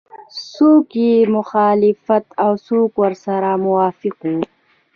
څوک یې مخالف او څوک ورسره موافق وو.